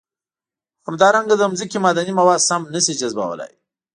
همدارنګه د ځمکې معدني مواد سم نه شي جذبولی.